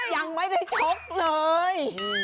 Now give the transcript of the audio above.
ยังไม่ได้ชกเลย